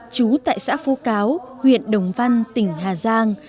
chú tại xã phú cáo huyện đồng văn tỉnh hà giang